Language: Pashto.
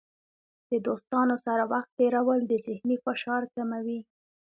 د دوستانو سره وخت تیرول د ذهني فشار کموي.